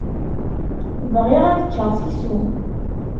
Bɣiɣ ad ččeɣ seksu.